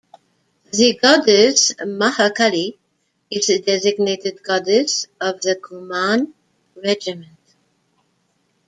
The goddess Mahakali is the designated goddess of the Kumaun Regiment.